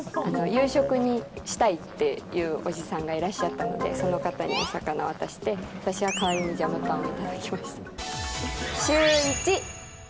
夕食にしたいっていうおじさんがいらっしゃったので、その方にお魚を渡して、私は代わりにジャムパンを頂きました。